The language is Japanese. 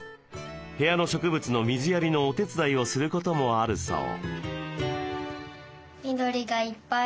部屋の植物の水やりのお手伝いをすることもあるそう。